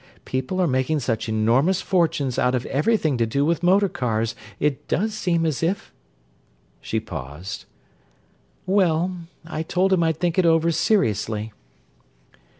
People are making such enormous fortunes out of everything to do with motor cars, it does seem as if—" She paused. "Well, I told him I'd think it over seriously."